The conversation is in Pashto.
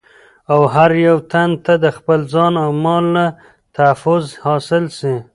او هر يو تن ته دخپل ځان او مال نه تحفظ حاصل سي